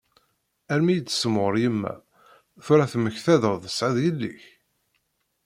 Armi iyi-d-tessemɣer yemma tura temmektaḍ-d tesɛiḍ yelli-k?